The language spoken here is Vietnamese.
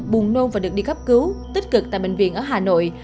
buồn nôn và được đi cấp cứu tích cực tại bệnh viện ở hà nội